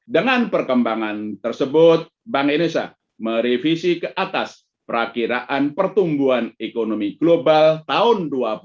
dengan perkembangan tersebut bank indonesia merevisi ke atas perakiraan pertumbuhan ekonomi global tahun dua ribu dua puluh dua